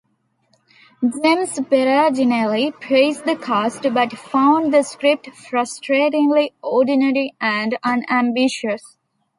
James Berardinelli praised the cast but found the script "frustratingly ordinary and unambitious".